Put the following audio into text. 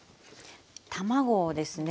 卵をですね